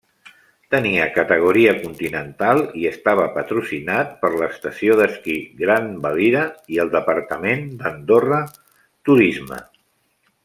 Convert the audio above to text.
Tenia categoria continental i estava patrocinat per l'estació d'esquí Grandvalira i el departament d'Andorra Turisme.